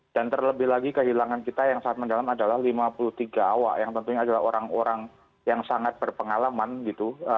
dan terlebih lagi kehilangan kita yang sangat mendalam adalah lima puluh tiga awak yang tentunya adalah orang orang yang sangat berpengalaman gitu